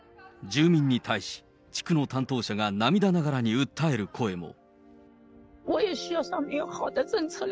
住民に対し、地区の担当者が涙ながらに訴える声も。